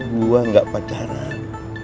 gue gak pacaran